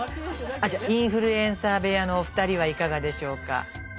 じゃインフルエンサー部屋のお二人はいかがでしょうか？